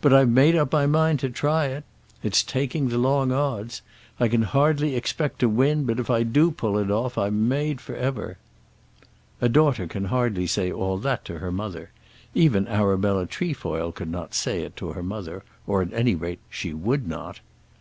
But I've made up my mind to try it. It's taking the long odds. I can hardly expect to win, but if I do pull it off I'm made for ever!" A daughter can hardly say all that to her mother. Even Arabella Trefoil could not say it to her mother, or, at any rate, she would not.